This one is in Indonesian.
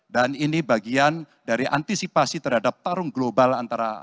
dan ini bagian dari antisipasi terhadap tarung global antara